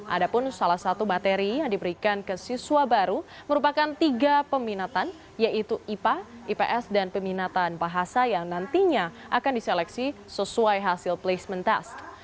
ada pun salah satu materi yang diberikan ke siswa baru merupakan tiga peminatan yaitu ipa ips dan peminatan bahasa yang nantinya akan diseleksi sesuai hasil placement test